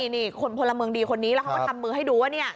นี่คนพลเมืองดีคนนี้แล้วเขาก็ทำมือให้ดูว่า